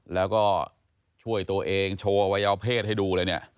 แล้วก็ช่วยตัวเองโชว์อวัยวเพศให้ดูเลยเนี่ย